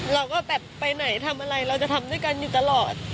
เราก็แบบไปไหนทำอะไรเราจะทำด้วยกันอยู่ตลอด